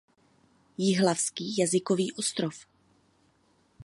Jihlavský jazykový ostrov.